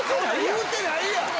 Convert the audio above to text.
言うてないやん！